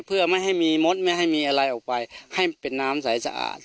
เพื่อไม่ให้มีมดไม่ให้มีอะไรออกไปให้เป็นน้ำใสสะอาด